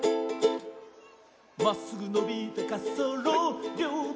まっすぐのびたかっそうろりょうて